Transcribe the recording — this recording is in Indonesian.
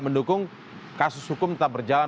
mendukung kasus hukum tetap berjalan